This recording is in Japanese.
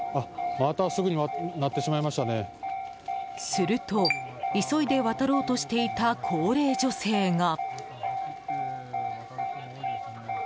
すると、急いで渡ろうとしていた高齢女性が。